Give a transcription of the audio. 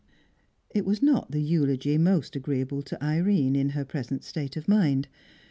It was not the eulogy most agreeable to Irene in her present state of mind.